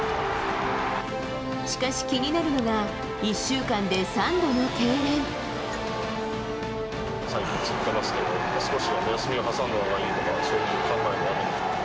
しかし、気になるのが、最近つってますけど、少しは休みを挟んだほうがいいとか、そういう考えはあるんですか？